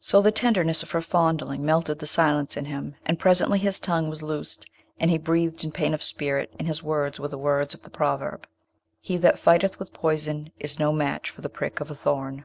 So the tenderness of her fondling melted the silence in him, and presently his tongue was loosed, and he breathed in pain of spirit, and his words were the words of the proverb: He that fighteth with poison is no match for the prick of a thorn.